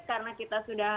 karena kita sudah